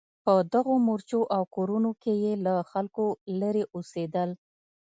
په دغو مورچو او کورونو کې یې له خلکو لرې اوسېدل.